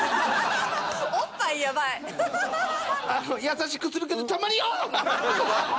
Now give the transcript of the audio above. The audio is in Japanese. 優しくするけどたまにああっ！